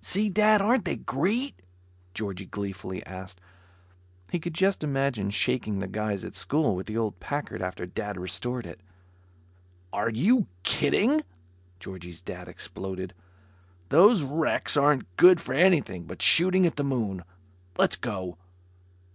"See, Dad, aren't they great?" Georgie gleefully asked. He could just imagine shaking the guys at school with the old Packard, after Dad restored it. "Are you kidding?" Georgie's Dad exploded, "Those wrecks aren't good for anything but shooting at the moon. Let's go."